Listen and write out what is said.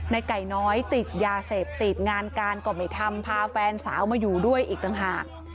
ไก่น้อยติดยาเสพติดงานการก็ไม่ทำพาแฟนสาวมาอยู่ด้วยอีกต่างหาก